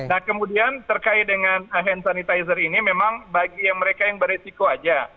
nah kemudian terkait dengan hand sanitizer ini memang bagi yang mereka yang beresiko aja